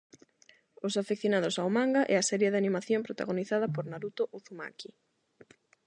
Os afeccionados ao manga e á serie de animación protagonizada por Naruto Uzumaki.